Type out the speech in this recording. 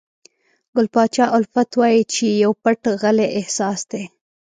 ګل پاچا الفت وایي چې پو پټ غلی احساس دی.